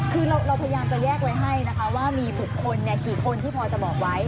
คือเราพยายามจะแยกไว้ให้นะคะว่ามีบุคคลกี่คนที่พอจะบอกไว้